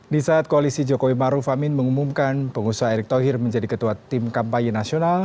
di saat koalisi jokowi maruf amin mengumumkan pengusaha erick thohir menjadi ketua tim kampanye nasional